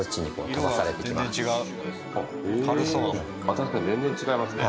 確かに全然違いますね。